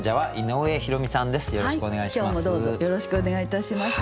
よろしくお願いします。